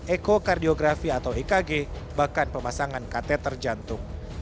ekokardiografi atau ekg bahkan pemasangan kateter jantung